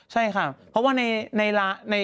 ใช่ค่ะเพราะว่าใน